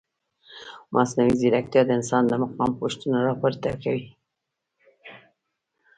مصنوعي ځیرکتیا د انسان د مقام پوښتنه راپورته کوي.